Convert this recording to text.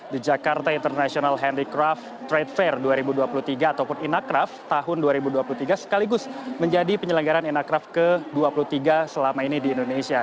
the jakarta international handicraft trade fair dua ribu dua puluh tiga ataupun inacraft tahun dua ribu dua puluh tiga sekaligus menjadi penyelenggaran inacraft ke dua puluh tiga selama ini di indonesia